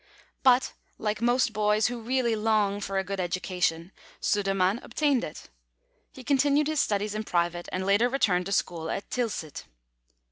But, like most boys who really long for a good education, Sudermann obtained it; he continued his studies in private, and later returned to school at Tilsit.